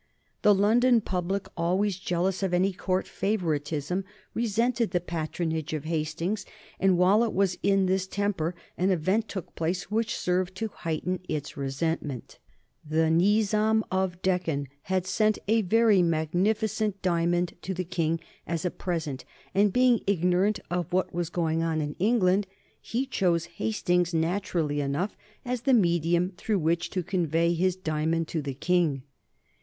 The London public, always jealous of any Court favoritism, resented the patronage of Hastings, and while it was in this temper an event took place which served to heighten its resentment. The Nizam of the Deccan had sent a very magnificent diamond to the King as a present, and, being ignorant of what was going on in England, he chose Hastings, naturally enough, as the medium through which to convey his diamond to the King.